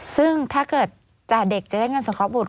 ซึ่งถ้าเกิดเด็กจะได้เงินสงเคราะบุตร